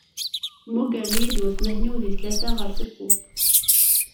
Mmugren-iyi-d watmaten-iw di tlata ɣer tewwurt.